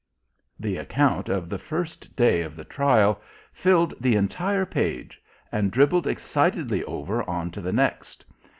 The account of the first day of the trial filled the entire page, and dribbled excitedly over on to the next.